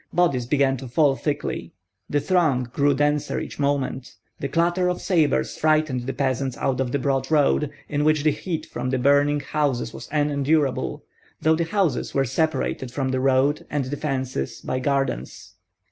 Bodies began to fall thickly. The throng grew denser each moment; the clatter of sabres frightened the peasants out of the broad road, in which the heat from the burning houses was unendurable, though the houses were separated from the road and the fences by gardens.